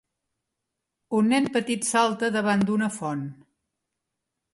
Un nen petit salta davant d'una font.